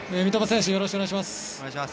三笘選手よろしくお願いします。